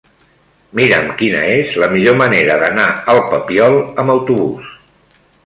Mira'm quina és la millor manera d'anar al Papiol amb autobús.